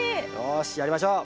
よしやりましょう！